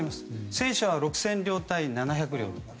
戦車は６０００両対７００両と。